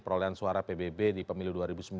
perolehan suara pbb di pemilu dua ribu sembilan belas